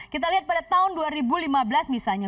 kita lihat pada tahun dua ribu lima belas misalnya